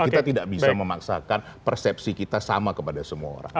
kita tidak bisa memaksakan persepsi kita sama kepada semua orang